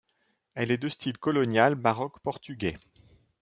Elle est de style colonial baroque portugais.